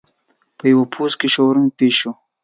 په پوځ کې ښورښ پېښ شو.